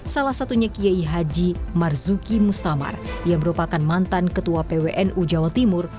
salah satunya kiai haji marzuki mustamar yang merupakan mantan ketua pwnu jawa timur